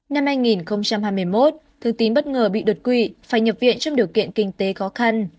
năm hai nghìn hai mươi một thư tín bất ngờ bị đột quỵ phải nhập viện trong điều kiện kinh tế khó khăn